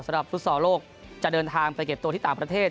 สำหรับพุทธศอร์โลกจะเดินทางไปเก็บตัวที่ต่างประเทศ